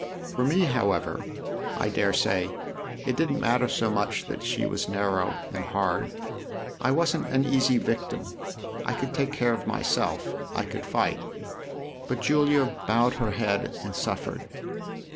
For me, however, I daresay, it didn't matter so much that she was narrow and hard : I wasn't an easy victim I could take care of myself, I could fight. But Julia bowed her head and suffered.